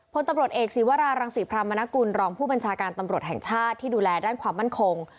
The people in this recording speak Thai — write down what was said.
พลตำรวจเอกศีวรารังศรีพรามนกุลรองผู้บัญชาการตำรวจแห่งชาติที่ดูแลด้านความมั่นคง